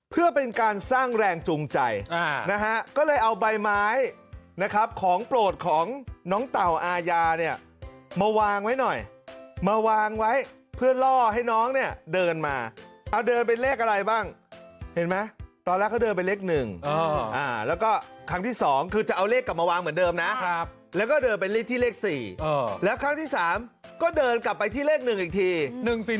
เพื่อเป็นการสร้างแรงจูงใจนะฮะก็เลยเอาใบไม้นะครับของโปรดของน้องเต่าอาญาเนี่ยมาวางไว้หน่อยมาวางไว้เพื่อล่อให้น้องเนี่ยเดินมาเอาเดินเป็นเลขอะไรบ้างเห็นไหมตอนแรกเขาเดินไปเลข๑แล้วก็ครั้งที่๒คือจะเอาเลขกลับมาวางเหมือนเดิมนะแล้วก็เดินเป็นเลขที่เลข๔แล้วครั้งที่๓ก็เดินกลับไปที่เลข๑อีกที